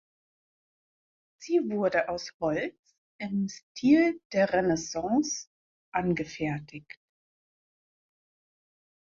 Sie wurde aus Holz im Stil der Renaissance angefertigt.